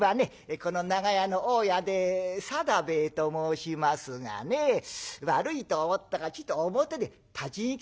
この長屋の大家で定兵衛と申しますがね悪いと思ったがちと表で立ち聞きさせてもらいましたよ。